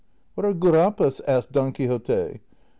" What are gurapas ?" asked Don Quixote.